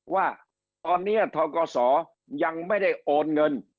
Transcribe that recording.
ว่าตอนนี้ทกศยังไม่ได้โอนเงิน